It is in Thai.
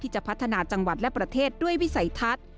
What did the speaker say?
จะพัฒนาจังหวัดและประเทศด้วยวิสัยทัศน์